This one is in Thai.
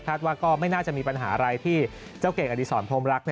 ว่าก็ไม่น่าจะมีปัญหาอะไรที่เจ้าเก่งอดีศรพรมรัก